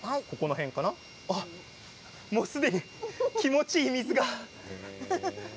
すでに気持ちいい水が。